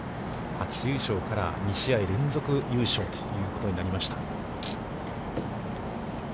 初優勝から、２試合連続優勝ということになりました。